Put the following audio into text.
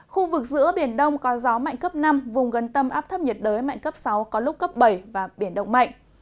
khu vực giữa biển đông có gió mạnh cấp năm vùng gần tâm áp thấp nhiệt đới mạnh cấp sáu có lúc cấp bảy và biển động mạnh